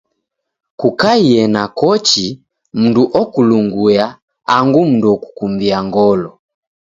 Kukaie na kochi, mndu okulonguya, angu mndu okukumbia ngolo.